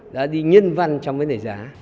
đã đi nhân văn trong cái đề giá